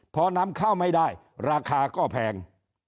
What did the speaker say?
พอนำเข้าไม่ได้ราคาก็แพง